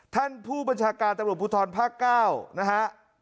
ท่านผู้บัญชาการตำรวจภูทรภาค๙นะฮะ